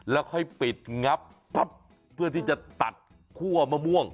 แล้วค่อยปิดงับปั๊บเพื่อที่จะตัดคั่วมะม่วง